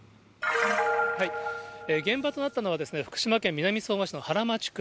現場となったのは、福島県南相馬市の原町区。